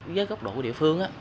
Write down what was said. với góc độ địa phương